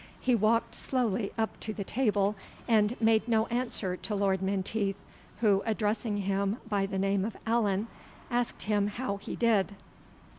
He walked slowly up to the table, and made no answer to Lord Menteith, who, addressing him by the name of Allan, asked him how he did.